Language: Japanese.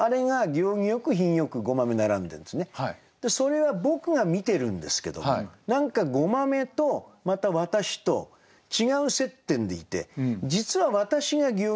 それは僕が見てるんですけども何か「ごまめ」とまた「私」と違う接点でいて実は「私」が行儀良くしてるんだと。